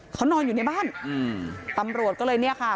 เขานอนอยู่ในบ้านอืมตำรวจก็เลยเนี่ยค่ะ